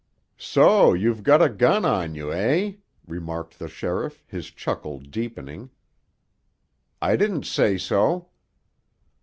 "So you've got a gun on you, eh?" remarked the sheriff, his chuckle deepening. "I didn't say so."